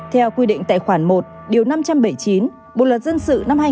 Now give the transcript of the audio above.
theo quy định tại khoản một điều năm trăm bảy mươi chín bộ luật dân sự năm hai nghìn một mươi